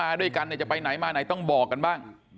ด้วยกันเนี่ยจะไปไหนมาไหนต้องบอกกันบ้าง